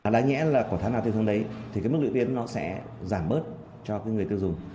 đáng nhẽ là của tháng nào tới tháng đấy thì cái mức lưu tiên nó sẽ giảm bớt cho người tiêu dùng